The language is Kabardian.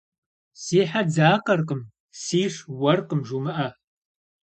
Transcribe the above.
Си хьэ дзакъэркъым, сиш уэркъым жумыӏэ.